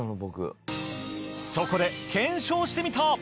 そこで検証してみた。